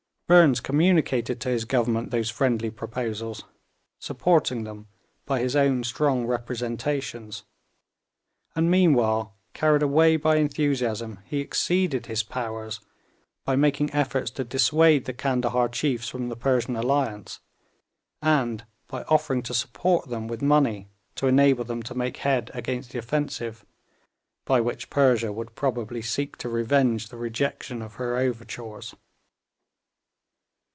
Burnes communicated to his Government those friendly proposals, supporting them by his own strong representations, and meanwhile, carried away by enthusiasm, he exceeded his powers by making efforts to dissuade the Candahar chiefs from the Persian alliance, and by offering to support them with money to enable them to make head against the offensive, by which Persia would probably seek to revenge the rejection of her overtures.